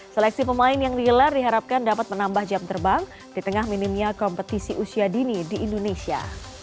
seleksi pemain yang digelar diharapkan dapat menambah jam terbang di tengah minimnya kompetisi usia dini di indonesia